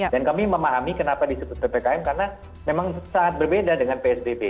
dan kami memahami kenapa disebut ppkm karena memang saat berbeda dengan psbb